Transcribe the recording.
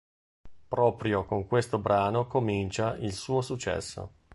Proprio con questo brano comincia il suo successo.